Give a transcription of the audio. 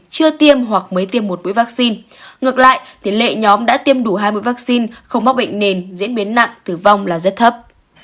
chưa tiêm hoặc mới tiêm một mũi vaccine ngược lại tỷ lệ nhóm đã tiêm đủ hai mươi vaccine không mắc bệnh nền diễn biến nặng tử vong là rất thấp